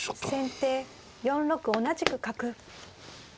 先手４六同じく角。